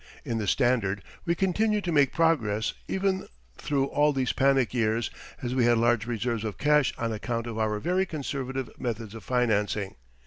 In the Standard we continued to make progress even through all these panic years, as we had large reserves of cash on account of our very conservative methods of financing.